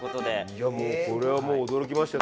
いやもうこれはもう驚きました。